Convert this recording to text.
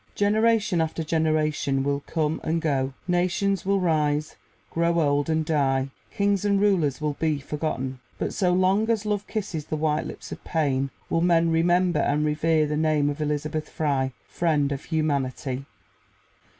Generation after generation will come and go, nations will rise, grow old, and die, kings and rulers will be forgotten, but so long as love kisses the white lips of pain will men remember and revere the name of Elizabeth Fry, Friend of Humanity.